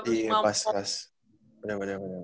iya pas pas bener bener bener